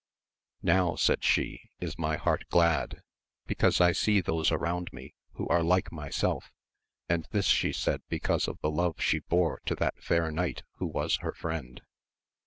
Now, said she, is my heart glad, because I see those around me who are like my self, and this she said because of the love she bore to that fair knight who was her friend.